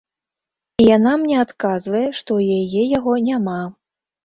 І яна мне адказвае, што ў яе яго няма.